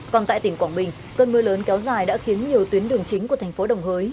còn tại tỉnh quảng bình cơn mưa lớn kéo dài đã khiến nhiều tuyến đường chính của thành phố đồng hới